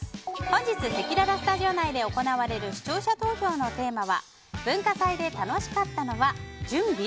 本日せきららスタジオ内で行われる視聴者投票のテーマは文化祭で楽しかったのは準備？